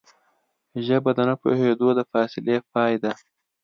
ژبه د نه پوهېدو د فاصلې پای ده